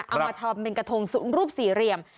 เอามาทำเป็นกระทงรูปสี่เหลี่ยม